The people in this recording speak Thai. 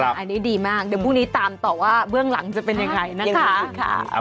อันนี้ดีมากเดี๋ยวพรุ่งนี้ตามต่อว่าเบื้องหลังจะเป็นยังไงนะคะ